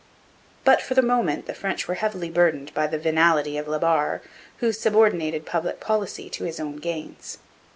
But for the moment the French were heavily burdened by the venality of La Barre, who subordinated public policy to his own gains.